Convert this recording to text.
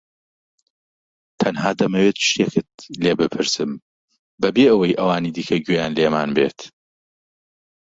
تەنها دەمەوێت شتێکت لێ بپرسم بەبێ ئەوەی ئەوانی دیکە گوێیان لێمان بێت.